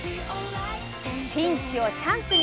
ピンチをチャンスに！